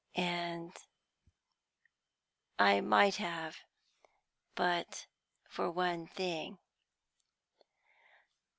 And I might have but for one thing."